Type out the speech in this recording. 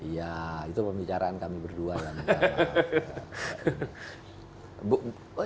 ya itu pembicaraan kami berdua yang pertama